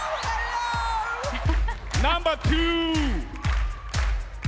ナンバー２。